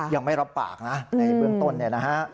ยังไม่รับปากนะในเบื้องต้น